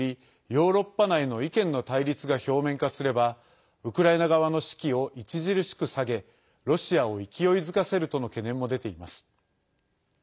ヨーロッパ内の意見の対立が表面化すればウクライナ側の士気を著しく下げロシアを勢いづかせるとの懸念も出ています。